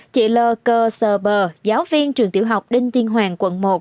chị l c s b giáo viên trường tiểu học đinh tiên hoàng quận một